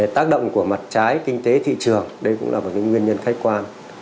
tác động của mặt trái kinh tế thị trường đây cũng là một nguyên nhân khách quan